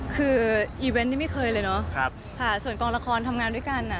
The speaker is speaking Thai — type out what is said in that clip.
คืออีเว้นที่ไม่เคยเลยเนอะส่วนกองละครทำงานด้วยกัน